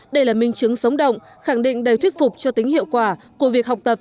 đây là minh chứng sống động khẳng định đầy thuyết phục cho tính hiệu quả của việc học tập